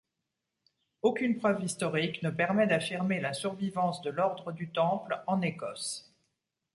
Aucune preuve historique ne permet d'affirmer la survivance de l'ordre du Temple en Écosse.